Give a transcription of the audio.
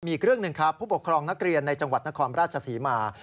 อีกเรื่องหนึ่งครับผู้ปกครองนักเรียนในจังหวัดนครราชศรีมา